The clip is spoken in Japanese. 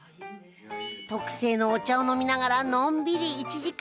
特製のお茶を飲みながらのんびり１時間。